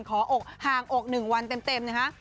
อกห่างอก๑วันเต็มนะคะ